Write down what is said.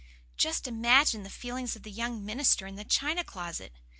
Just imagine the feelings of the young minister in the china closet!